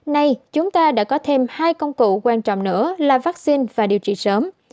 nay chúng ta đã có thêm hai công cụ quan trọng nữa là vaccine và điều trị sớm